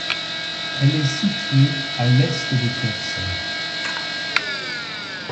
Elle est située à à l'est de Kherson.